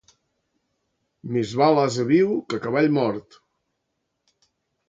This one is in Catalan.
Més val ase viu que cavall mort.